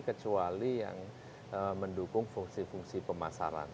kecuali yang mendukung fungsi fungsi pemasaran